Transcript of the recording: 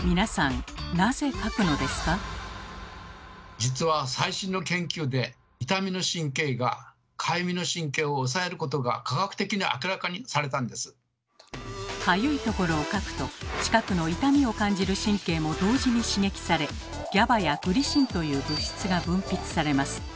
実は最新の研究でかゆいところをかくと近くの痛みを感じる神経も同時に刺激されＧＡＢＡやグリシンという物質が分泌されます。